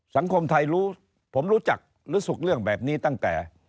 สังคมไทยรู้ผมรู้จักรู้สึกเรื่องแบบนี้ตั้งแต่